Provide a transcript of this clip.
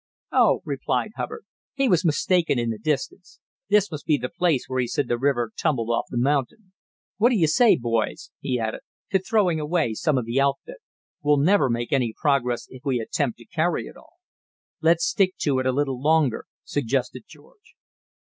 "Oh," replied Hubbard, "he was mistaken in the distance. This must be the place where he said the river tumbled off the mountain. What do you say, boys," he added, "to throwing away some of the outfit? We'll never make any progress if we attempt to carry it all." "Let's stick to it a little longer," suggested George.